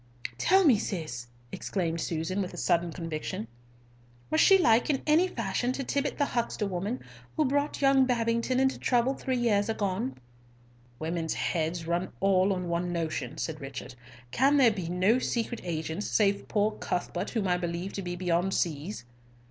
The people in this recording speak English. "Tell me, Cis," exclaimed Susan, with a sudden conviction, "was she like in any fashion to Tibbott the huckster woman who brought young Babington into trouble three years agone?" "Women's heads all run on one notion," said Richard. "Can there be no secret agents save poor Cuthbert, whom I believe to be beyond seas?"